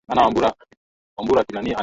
Choo ni chafu.